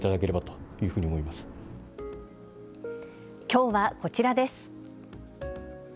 きょうはこちらです。